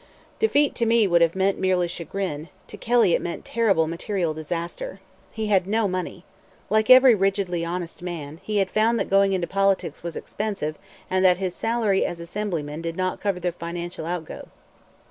Defeat to me would have meant merely chagrin; to Kelly it meant terrible material disaster. He had no money. Like every rigidly honest man, he had found that going into politics was expensive and that his salary as Assemblyman did not cover the financial outgo.